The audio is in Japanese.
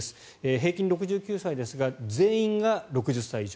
平均６９歳ですが全員が６０歳以上。